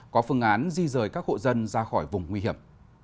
có phương án di rời các hộ dân ra khỏi vùng nguy hiểm